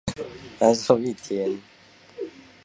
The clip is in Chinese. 鲍威尔镇区为位在美国堪萨斯州科曼奇县的镇区。